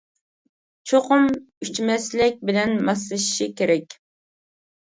چوقۇم «ئۈچ مەسلەك» بىلەن ماسلىشىشى كېرەك.